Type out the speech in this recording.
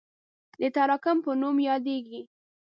د تراکم په نوم یادیږي.